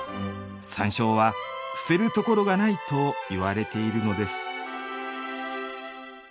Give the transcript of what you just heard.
山椒は「捨てるところがない」といわれているのです。